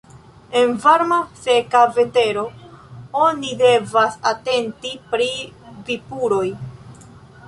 En varma, seka vetero oni devas atenti pri vipuroj.